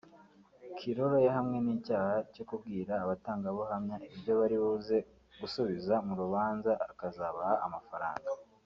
Kilolo yahamwe n’icyaha cyo kubwira abatangabuhamya ibyo bari buze gusubiza mu rubanza akazabaha amafaranga